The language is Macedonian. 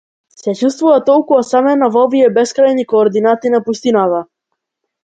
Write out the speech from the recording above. Се чувствува толку осамено во овие бескрајни координати на пустината.